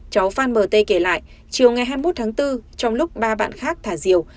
cháu phan mt kể lại chiều ngày hai mươi một tháng bốn trong lúc ba bạn khác thả diều